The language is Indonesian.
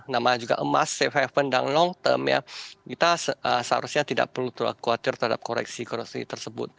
namanya juga emas safe haven dan long term kita seharusnya tidak perlu tertulak khawatir terhadap koreksi tersebut